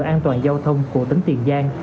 an toàn giao thông của tỉnh tiền giang